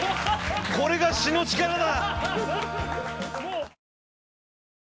これが詩の力だ！